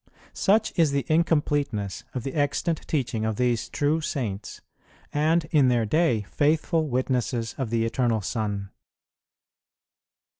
Such is the incompleteness of the extant teaching of these true saints, and, in their day, faithful witnesses of the Eternal Son.